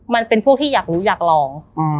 มันเป็นพวกที่อยากรู้อยากลอง